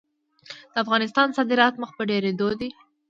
د افغانستان صادرات مخ په ډیریدو دي